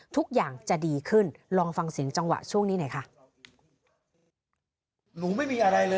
ทุกอย่างจะดีขึ้นลองฟังเสียงจังหวะช่วงนี้หน่อยค่ะ